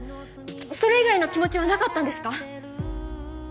それ以外の気持ちはなかったんですか？